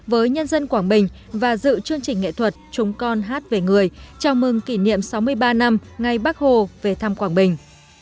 với nhân dân quảng bình và dự chương trình nghệ thuật chúng con hát về người chào mừng kỷ niệm sáu mươi ba năm ngày bác hồ về thăm quảng bình